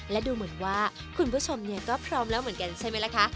และดูเหมือนว่าคุณผู้ชมเนี่ยก็พร้อมแล้วเหมือนกันใช่ไหมล่ะคะ